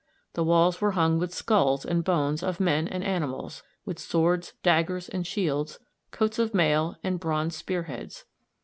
The walls were hung with skulls and bones of men and animals, with swords, daggers, and shields, coats of mail, and bronze spear heads.